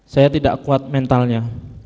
saya tidak kuat mentalnya